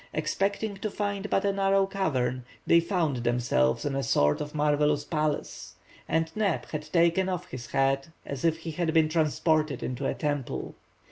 Expecting to find but a narrow cavern, they found themselves in a sort of marvellous palace, and Neb had taken off his hat as if he had been transported into a temple!